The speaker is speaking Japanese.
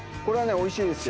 おいしいですよ